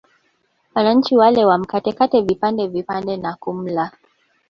Wananchi wale wamkatekate vipande vipande na kumla